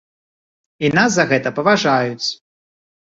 І нас за гэта паважаюць!